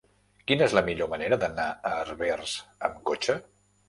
Quina és la millor manera d'anar a Herbers amb cotxe?